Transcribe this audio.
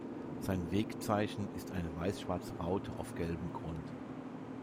Sein Wegzeichen ist eine weiß-schwarze Raute auf gelbem Grund.